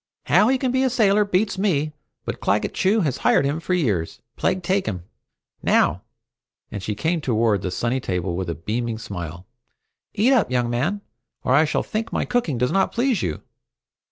How he can be a sailor beats me, but Claggett Chew has hired him for years, plague take him! Now," and she came toward the sunny table with a beaming smile, "eat up, young man, or I shall think my cooking does not please you!"